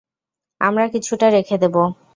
আমরা কিছুটা রেখে দেব!